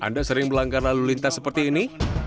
anda sering melanggar lalu lintas seperti ini